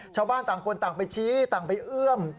ชาวบ้านต่างคนต่างไปชี้ต่างไปเอื้อม